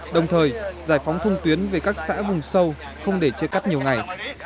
đồng thời giải phóng thông tuyến về các xã vùng sâu không để chia cắt nhiều ngày